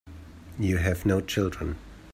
You have no children.